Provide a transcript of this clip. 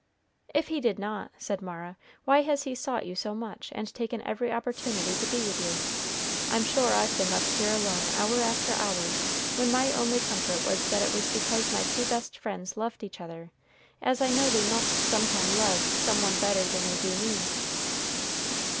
"If he did not," said Mara, "why has he sought you so much, and taken every opportunity to be with you? I'm sure I've been left here alone hour after hour, when my only comfort was that it was because my two best friends loved each other, as I know they must some time love some one better than they do me."